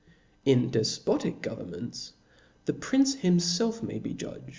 In defpotic governments, the prince himfelf may be judge.